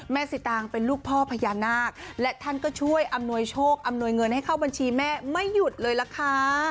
สิตางเป็นลูกพ่อพญานาคและท่านก็ช่วยอำนวยโชคอำนวยเงินให้เข้าบัญชีแม่ไม่หยุดเลยล่ะค่ะ